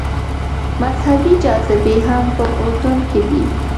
مذهبي جاذبې هم په اردن کې دي.